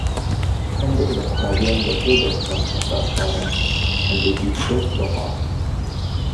هەندێک لە قوتابیان بە پێ دەچنە قوتابخانە، هەندێکی دیکەش بە پاس.